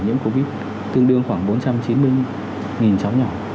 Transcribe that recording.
nhiễm covid tương đương khoảng bốn trăm chín mươi cháu nhỏ